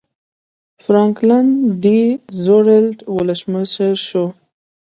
فرانکلن ډي روزولټ ولسمشر شو.